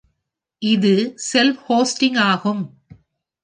இது self-hosting ஆகும் .